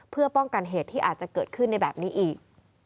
เพื่อป้องกันเหตุที่อาจจะเกิดขึ้นในแบบนี้อีก